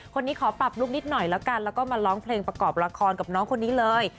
คนนี้ขอปรับลูกนิดหน่อยแล้วก็มาร้องเพลงประกอบละครกับน้องคนนี้เลย